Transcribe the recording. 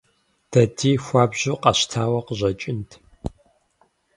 Дади хуабжьу къэщтауэ къыщӀэкӀынт.